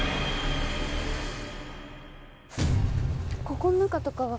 ここの中とかは？